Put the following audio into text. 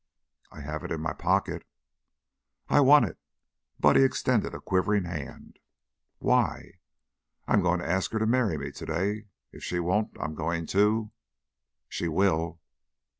"I have it in my pocket." "I want it." Buddy extended a quivering hand. "Why?" "I'm goin' to ask her to marry me, to day. If she won't I'm goin' to " "She will."